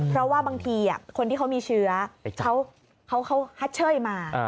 เพราะว่าบางทีคนที่เขามีเชื้อเขาฮัตเชยมา